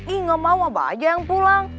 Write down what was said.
i gak mau abah aja yang pulang